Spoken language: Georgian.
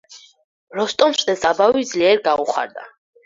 როსტომს ეს ამბავი ძლიერ გაუხარდა.